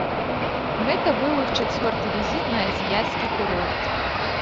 Гэта быў іх чацвёрты візіт на азіяцкі курорт.